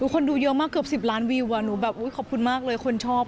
คนดูเยอะมากเกือบ๑๐ล้านวิวอะขอบคุณมากเลยคนชอบ